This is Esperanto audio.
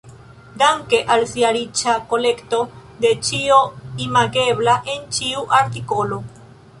Danke al sia riĉa kolekto de ĉio imagebla en ĉiu artikolo.